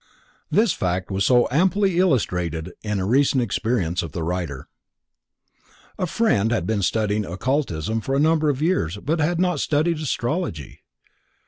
This fact was so amply illustrated in a recent experience of the writer:—A friend had been studying occultism for a number of years but had not studied astrology.